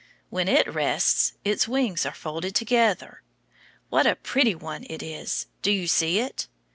When it rests its wings are folded together. What a pretty one it is! Do you see it?